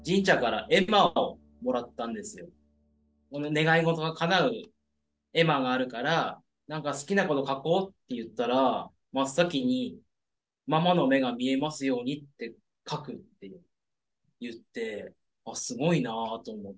「願い事がかなう絵馬があるから何か好きなこと書こう」って言ったら真っ先に「ママの目が見えますようにって書く」って言ってあすごいなぁと思って。